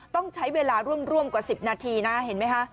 ต้องใช้เวลาร่วมกว่า๑๐นาทีนะ